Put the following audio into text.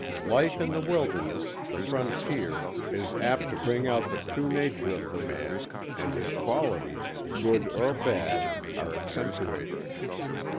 Life in the wilderness, the frontier, is apt to bring out the true nature of the man, and his qualities, good or bad, are accentuated.